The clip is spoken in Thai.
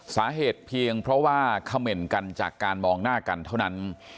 สาเหตุเพียงเพราะว่าเขม่นกันจากการมองหน้ากันเท่านั้น